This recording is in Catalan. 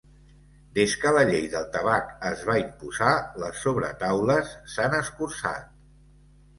Des que la llei del tabac es va imposar, les sobretaules s'han escurçat.